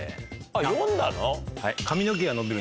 あっ読んだの？